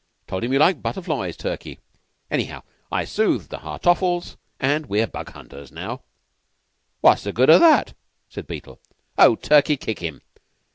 'Told him you liked butterflies, Turkey. Anyhow, I soothed the Hartoffles, and we're Bug hunters now." "What's the good of that?" said Beetle. "Oh, Turkey, kick him!"